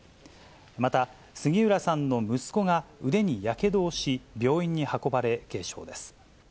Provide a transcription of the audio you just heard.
また、杉浦さんの息子が腕にやけどをし、病院に運ばれ、軽傷です。